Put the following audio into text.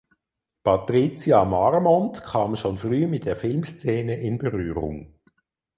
Patricia Marmont kam schon früh mit der Filmszene in Berührung.